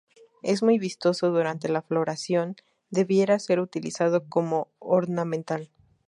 Es muy vistoso durante la floración; debiera ser utilizado como ornamental.